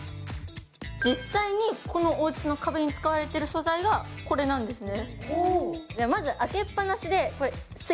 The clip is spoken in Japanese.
実際に、このおうちの壁に使われている素材がこれなんですね。